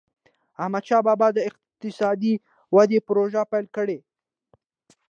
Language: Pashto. احمدشاه بابا به د اقتصادي ودي پروژي پیل کړي.